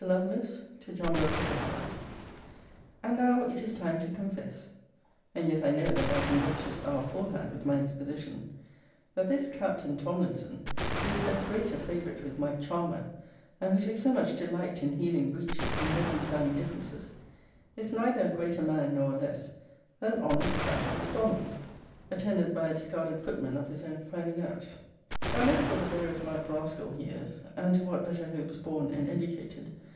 LOVELACE, TO JOHN BELFORD, ESQ. And now it is time to confess (and yet I know that thy conjectures are aforehand with my exposition) that this Captain Tomlinson, who is so great a favourite with my charmer, and who takes so much delight in healing breaches, and reconciling differences, is neither a greater man nor a less than honest Patrick M'Donald, attended by a discarded footman of his own finding out. Thou knowest what a various lifed rascal he is; and to what better hopes born and educated.